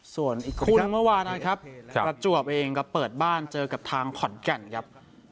ส่วนอีกคู่เมื่อวานนะครับประจวบเองก็เปิดบ้านเจอกับทางขอนแก่นครับ